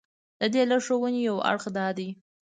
د دې لارښوونې یو اړخ دا دی.